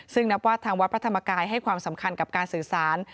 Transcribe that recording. ซึ่งนับว่าทางวัดพระธรรมกายให้ความสำคัญกับการสื่อสาร